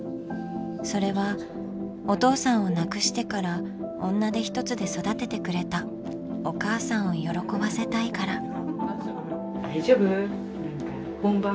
それはお父さんを亡くしてから女手ひとつで育ててくれたお母さんを喜ばせたいから。